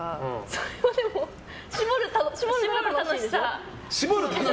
それはでも搾る楽しさでしょ？